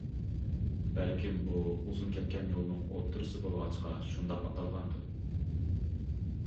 بەلكىم بۇ ئۇزۇن كەتكەن يولنىڭ ئوتتۇرىسى بولغاچقا شۇنداق ئاتالغاندۇ.